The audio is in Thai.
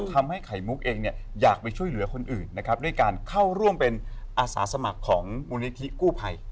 ไข่มุกเองเนี่ยอยากไปช่วยเหลือคนอื่นนะครับด้วยการเข้าร่วมเป็นอาสาสมัครของมูลนิธิกู้ภัย